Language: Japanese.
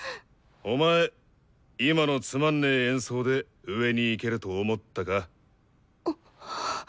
今のつまんねえ演奏で上に行けると思ったか？